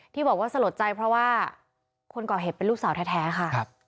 ที่บอกว่าสลดใจเพราะว่าคนก่อเหตุเป็นลูกสาวแท้ค่ะ